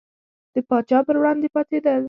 د پاچا پر وړاندې پاڅېدل.